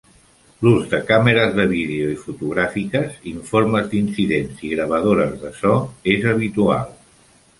L'ús de càmeres de vídeo i fotogràfiques, informes d'incidents i gravadores de so és habitual.